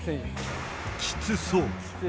きつそう。